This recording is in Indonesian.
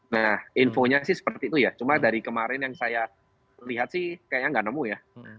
nah infonya sih seperti itu ya cuma dari kemarin yang saya lihat sih kayaknya nggak nemu ya